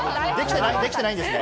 できてないんですね。